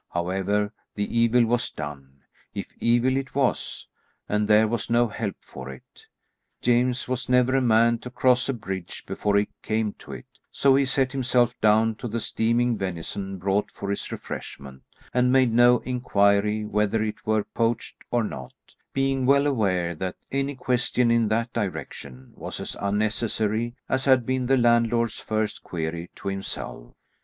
However, the evil was done, if evil it was, and there was no help for it. James was never a man to cross a bridge before he came to it; so he set himself down to the steaming venison brought for his refreshment, and made no inquiry whether it were poached or not, being well aware that any question in that direction was as unnecessary as had been the landlord's first query to himself.